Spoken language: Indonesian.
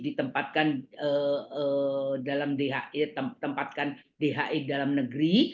ditempatkan dhe dalam negeri